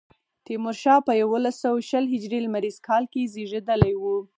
تیمورشاه په یوولس سوه شل هجري لمریز کال کې زېږېدلی و.